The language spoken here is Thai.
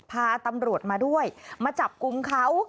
พาตำรวจมาด้วยมาจับกลุ่มเขา